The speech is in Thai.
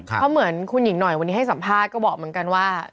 เพราะเหมือนคุณหญิงหน่อยวันนี้ให้สัมภาษณ์ก็บอกเหมือนกันว่า